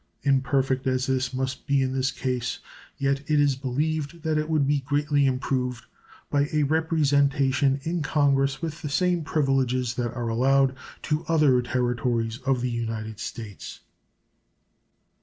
Imperfect as this must be in this case, yet it is believed that it would be greatly improved by a representation in Congress with the same privileges that are allowed to the other Territories of the United States.